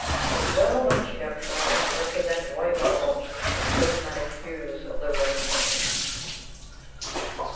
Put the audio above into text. As well might she have tried to represent in white marble the prismatic hues of the rainbow!"